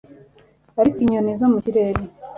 ariko inyoni zo mu kirere